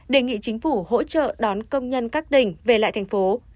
đề nghị chính phủ hỗ trợ đón công nhân các tỉnh về lại thành phố